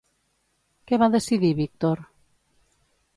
Què va decidir Víctor?